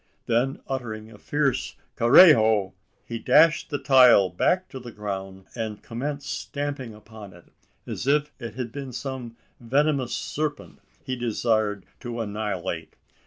Then uttering a fierce "Carajo," he dashed the "tile" back to the ground, and commenced stamping upon it, as if it had been some venomous serpent he desired to annihilate!